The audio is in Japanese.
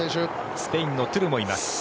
スペインのトゥルもいます。